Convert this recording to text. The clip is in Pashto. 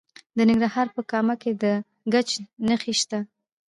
د ننګرهار په کامه کې د ګچ نښې شته.